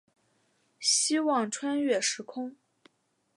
希望穿越时空